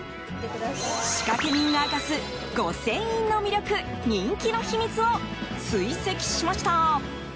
仕掛け人が明かす御船印の魅力人気の秘密を追跡しました。